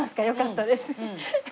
よかったです。